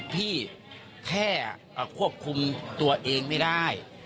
แค่ควบคุมตัวเองไม่ได้